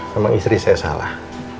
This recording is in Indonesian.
sama istri saya salah